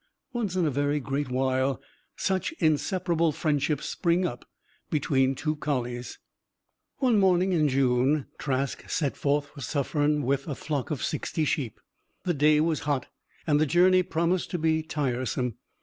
Once in a very great while such inseparable friendships spring up between two collies. One morning in June, Trask set forth for Suffern with a flock of sixty sheep. The day was hot; and the journey promised to be tiresome.